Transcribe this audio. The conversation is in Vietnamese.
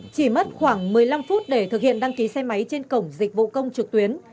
chỉ mất khoảng một mươi năm phút để thực hiện đăng ký xe máy trên cổng dịch vụ công trực tuyến